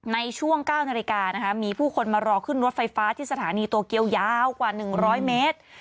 ในช่วง๙นาฬิกานะคะมีผู้คนมารอขึ้นรถไฟฟ้าที่สถานีโตเกียวยาวกว่า๑๐๐เมตร